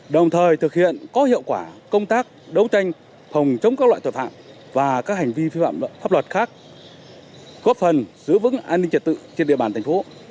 đồng thời thực hiện có hiệu quả công tác đấu tranh phòng chống các loại tội phạm và các hành vi vi phạm pháp luật khác góp phần giữ vững an ninh trật tự trên địa bàn thành phố